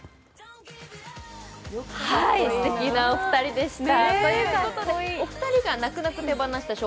すてきなお二人でした。